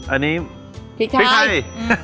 อันนี้พริกไทย